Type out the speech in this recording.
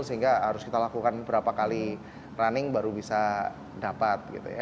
sehingga harus kita lakukan berapa kali running baru bisa dapat gitu ya